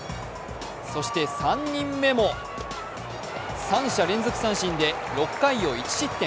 そして３人目も、三者連続三振で６回を１失点。